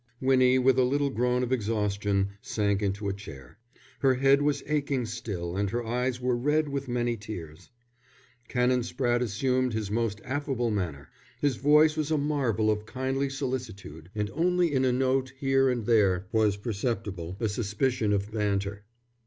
Winnie, with a little groan of exhaustion, sank into a chair. Her head was aching still and her eyes were red with many tears. Canon Spratte assumed his most affable manner. His voice was a marvel of kindly solicitude, and only in a note here and there was perceptible a suspicion of banter.